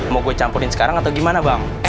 mau gue campurin sekarang atau gimana bang